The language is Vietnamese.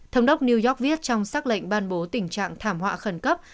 thống đốc new york viết trong xác lệnh ban bố tình trạng thảm họa khẩn cấp